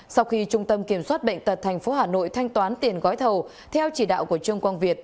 sau khi trung tâm kiểm soát bệnh tật tp hà nội thanh toán tiền gói thầu theo chỉ đạo của trương quang việt